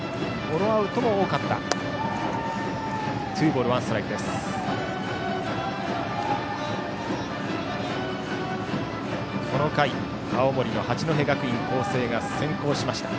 ゴロアウトも多かった。